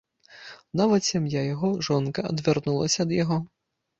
Нават сям'я яго, жонка, адвярнулася ад яго.